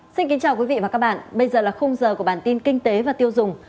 xin kính chào quý vị và các bạn bây giờ là khung giờ của bản tin kinh tế và tiêu dùng